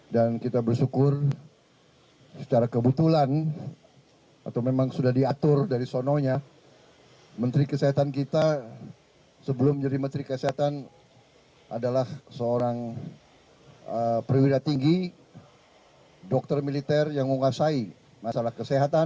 dan kita bersyukur secara kebetulan atau memang sudah diatur dari sononya menteri kesehatan kita sebelum menjadi menteri kesehatan adalah seorang perwira tinggi dokter militer yang menguasai masalah kesehatan